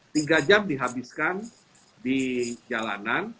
tiga jam dihabiskan di jalanan